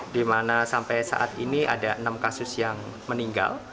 dimana sampai saat ini ada enam kasus yang meninggal